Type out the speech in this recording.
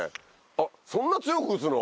あんな強く打つの？